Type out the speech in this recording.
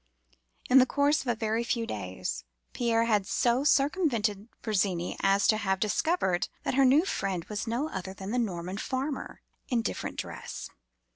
"In the course of a very few days, Pierre had so circumvented Virginie as to have discovered that her new friend was no other than the Norman farmer in a different dress.